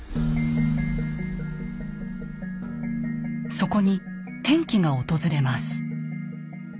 そこに転機が訪れます。